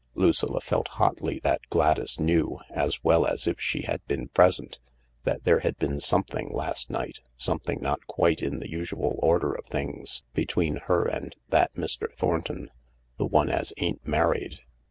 Lucilla felt hotly that Gladys knew, as well as if she had been present, that there had been " some thing " last night, something not quite in the usual order of things, between her and " that Mr. Thornton — the one as ain't married."